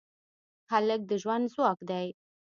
هلک د ژوند ځواک دی.